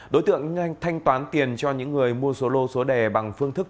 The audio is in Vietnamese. đối tượng nhanh thanh toán tiền cho những người mua số lô số đề bằng phương thức